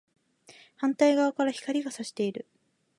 反対側から光が射している